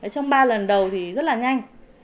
trong ba lần đầu thì rất là nhanh